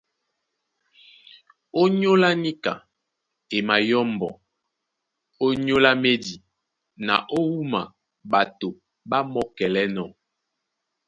Ónyólá níka, e mayɔ́mbɔ́ ónyólá médi na ó wúma ɓato ɓá mɔ́kɛlɛ́nɔ̄.